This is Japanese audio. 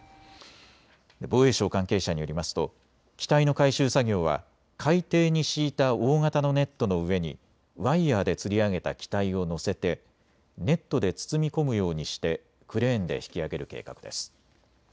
防衛省関係者によりますと機体の回収作業は海底に敷いた大型のネットの上にワイヤーでつり上げた機体を乗せてネットで包み込むようにしてクレーンで引き揚げる計画です。